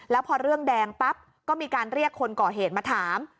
แล้วพอเรื่องแดงปั๊บก็มีการเรียกคนก่อเหตุมาถาม